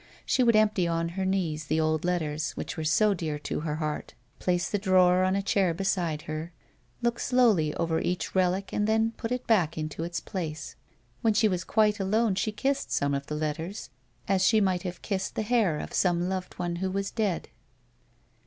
She would empty on her knees the old letters, which were so dear to her heart, place the drawer on a chair beside her, look slowly over each " relic," and then put it back in its place. When she was quite alone she kissed some of the letters as she might have kissed the hair of some loved one who was dead.